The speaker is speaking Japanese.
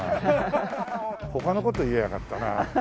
他の事言えばよかったな。